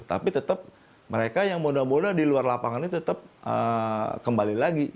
tapi tetap mereka yang muda muda di luar lapangan ini tetap kembali lagi